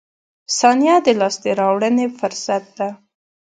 • ثانیه د لاسته راوړنې فرصت ده.